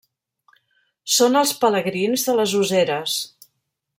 Són els pelegrins de les Useres.